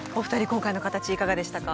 今回の形いかがでしたか？